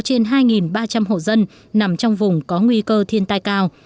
trên hai ba trăm linh hộ dân nằm trong vùng có nguy cơ thiên tai cao